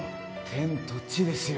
天と地ですよ。